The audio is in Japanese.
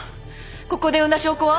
ここで産んだ証拠は？